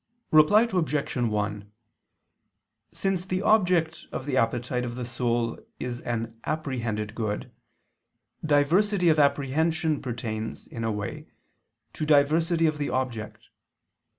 Reply Obj. 1: Since the object of the appetite of the soul is an apprehended good, diversity of apprehension pertains, in a way, to diversity of the object.